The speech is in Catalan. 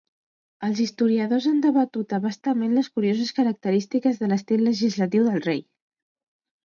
Els historiadors han debatut abastament les curioses característiques de l'estil legislatiu del rei.